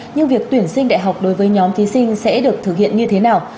nhưng việc tuyển sinh đại học đối với nhóm thí sinh sẽ được thực hiện như thế nào